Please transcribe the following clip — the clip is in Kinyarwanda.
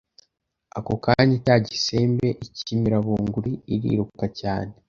Ako kanya cya gisembe ikimira bunguri iriruka cyane